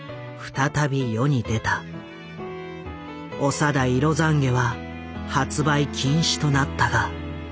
「お定色ざんげ」は発売禁止となったが。